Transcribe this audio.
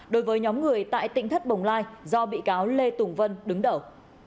đối với nhóm người tại tỉnh thất bồng lai do bị cáo lê tùng vân đứng đầu